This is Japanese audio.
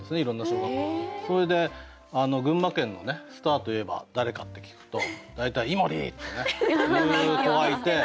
それで「群馬県のスターといえば誰か」って聞くと大体「井森！」ってね言う子がいて。